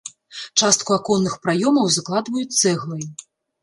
Частку аконных праёмаў закладваюць цэглай.